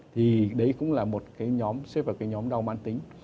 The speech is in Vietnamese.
thì đấy cũng là một cái nhóm xếp vào cái nhóm đau mang tính